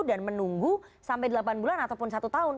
dan menunggu sampai delapan bulan ataupun satu tahun